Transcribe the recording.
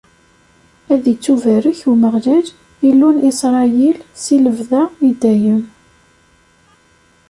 Ad ittubarek Umeɣlal, Illu n Isṛayil, si lebda, i dayem!